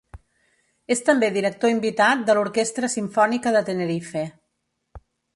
És també director invitat de l'Orquestra Simfònica de Tenerife.